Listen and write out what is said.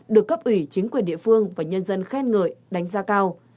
được cấp ủy chính quyền địa phương và nhân dân khen ngợi đánh giá cao